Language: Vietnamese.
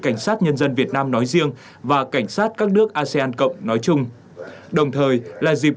cảnh sát nhân dân việt nam nói riêng và cảnh sát các nước asean cộng nói chung đồng thời là dịp